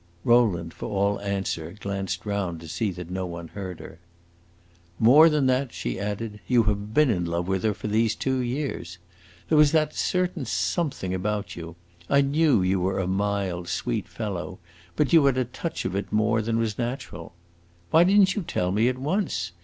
Rowland, for all answer, glanced round to see that no one heard her. "More than that," she added, "you have been in love with her these two years. There was that certain something about you!... I knew you were a mild, sweet fellow, but you had a touch of it more than was natural. Why did n't you tell me at once?